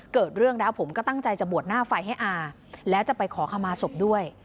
เกิดเรื่องแล้วผมก็ตั้งใจจะบวชหน้าไฟให้อาแล้วจะไปขอขมาศพด้วย